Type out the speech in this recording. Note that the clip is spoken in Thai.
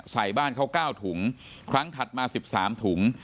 ใส่บ้านเขาเก้าถุงครั้งถัดมาสิบสามถุง